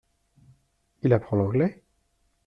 Il apprend l’anglais ?